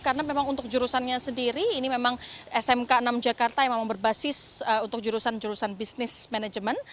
karena memang untuk jurusannya sendiri ini memang smk enam jakarta yang berbasis untuk jurusan jurusan bisnis manajemen